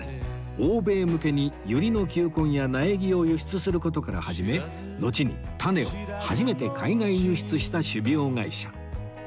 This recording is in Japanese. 欧米向けにユリの球根や苗木を輸出する事から始めのちにタネを初めて海外輸出した種苗会社